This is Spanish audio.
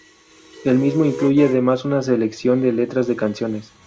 El mismo incluye además una selección de letras de canciones.